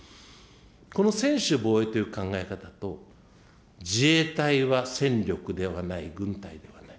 この専守防衛という考え方と、自衛隊は戦力ではない、軍隊ではない。